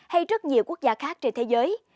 hay rất nhiều quốc gia khác trên thế giới